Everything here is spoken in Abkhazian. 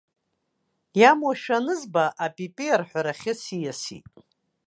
Иамуашәа анызба, апипи арҳәарахьы сиасит!